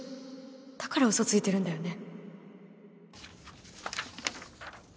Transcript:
だから嘘ついてるんだよね？